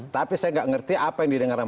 tapi saya tidak mengerti apa yang didengar